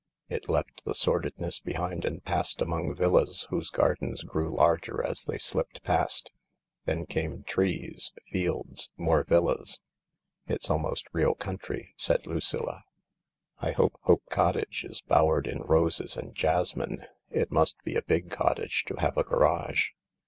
It left the sordidness behind and passed among villas whose gardens grew larger as they slipped past. Then came trees — fields — more villas. " It's almost real country," said Lucilla. " I hope Hope Cottage is bowered in roses and jasmine. It must be a big cottage to have a garage."